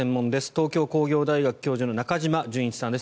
東京工業大学教授の中島淳一さんです。